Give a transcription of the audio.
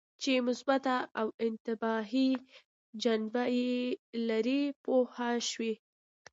چې مثبته او انتباهي جنبه لري پوه شوې!.